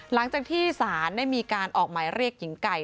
หลังจากที่ศาลได้มีการออกหมายเรียกหญิงไก่